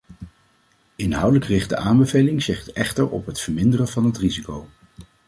Inhoudelijk richt de aanbeveling zich echter op het verminderen van het risico.